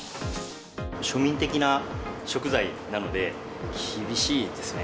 庶民的な食材なので、厳しいですね。